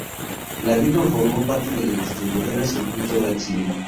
La misma formó parte de la distribuidora Circuito Gran Cine.